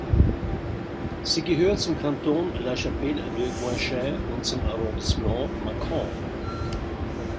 Sie gehört zum Kanton La Chapelle-de-Guinchay und zum Arrondissement Mâcon.